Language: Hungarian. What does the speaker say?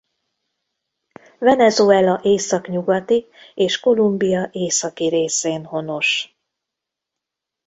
Venezuela északnyugati és Kolumbia északi részén honos.